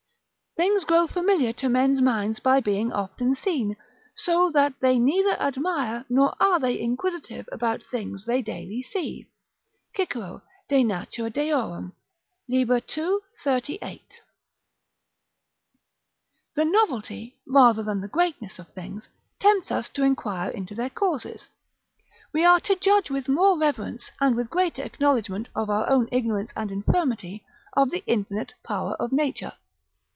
["Things grow familiar to men's minds by being often seen; so that they neither admire nor are they inquisitive about things they daily see." Cicero, De Natura Deor., lib. ii. 38.] The novelty, rather than the greatness of things, tempts us to inquire into their causes. We are to judge with more reverence, and with greater acknowledgment of our own ignorance and infirmity, of the infinite power of nature.